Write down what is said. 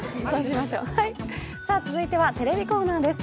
続いては、テレビコーナーです。